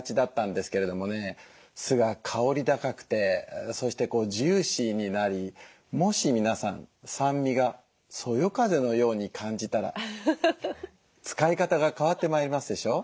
酢が香り高くてそしてジューシーになりもし皆さん酸味がそよ風のように感じたら使い方が変わってまいりますでしょ。